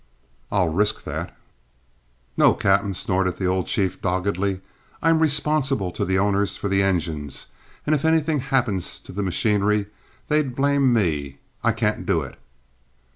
"I'll risk that." "No, cap'en," snorted the old chief, doggedly. "I'm responsible to the owners for the engines, and if anything happened to the machinery they'd blame me. I can't do it."